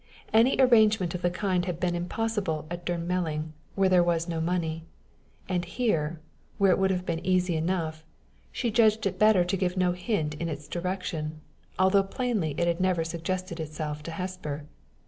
Any arrangement of the kind had been impossible at Durnmelling, where there was no money; and here, where it would have been easy enough, she judged it better to give no hint in its direction, although plainly it had never suggested itself to Hesper.